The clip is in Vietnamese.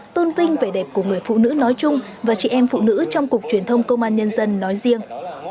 tôn vinh vẻ đẹp của người phụ nữ nói chung và chị em phụ nữ trong cục truyền thông công an nhân dân nói riêng